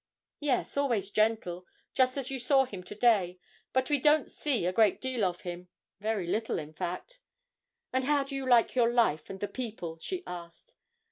'Yes, always gentle, just as you saw him to day; but we don't see a great deal of him very little, in fact.' 'And how do you like your life and the people?' she asked.